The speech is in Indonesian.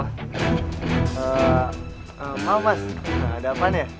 mbak mas ada apaan ya